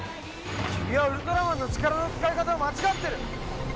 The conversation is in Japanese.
君はウルトラマンの力の使い方を間違ってる！